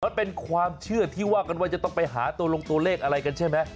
มันเป็นความเชื่อที่ว่ากันว่าจะต้องไปหาตัวลงตัวเลขอะไรกันใช่ไหม